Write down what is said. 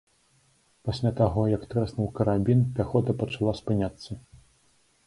Пасля таго, як трэснуў карабін, пяхота пачала спыняцца.